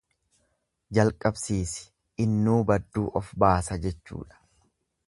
Jalqabsiisi innuu badduu of baasa jechuudha.